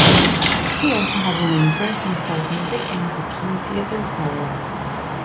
He also has an interest in folk music and is a keen theatre goer.